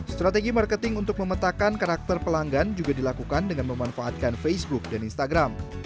strategi marketing untuk memetakan karakter pelanggan juga dilakukan dengan memanfaatkan facebook dan instagram